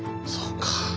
そうか。